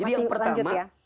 jadi yang pertama